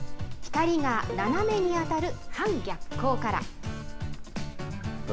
光が斜めに当たる半逆光から。